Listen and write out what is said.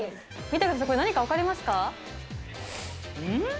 見てください、これ、何か分かりますか？